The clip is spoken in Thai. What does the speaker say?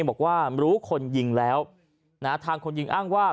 บอกว่ารู้คนยิงแล้วทางคนยิงอ้างว่า